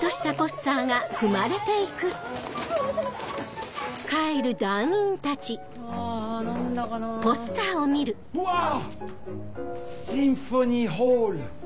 シンフォニーホール。